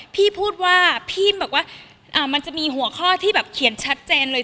พี่พูดว่ามันจะมีหัวข้อที่แบบเขียนชัดเจนเลย